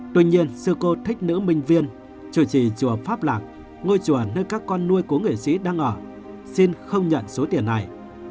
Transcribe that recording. tuy nhiên sư cô thích nữ minh viên chùa trì chùa pháp lạc ngôi chùa nơi các con nuôi của nghệ sĩ đang ở xin không nhận số tiền này